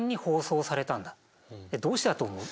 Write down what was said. どうしてだと思う？